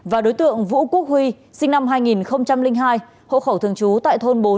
và đối tượng vũ quốc huy sinh năm hai nghìn hai hộ khẩu thường trú tại thôn bốn